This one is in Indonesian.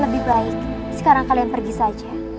lebih baik sekarang kalian pergi saja